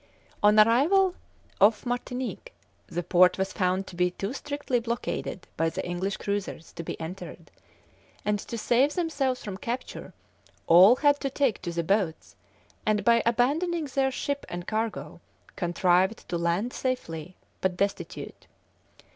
On arrival off Martinique, the port was found to be too strictly blockaded by the English cruisers to be entered; and, to save themselves from capture, all had to take to the boats, and by abandoning their ship and cargo, contrived to land safely, but destitute.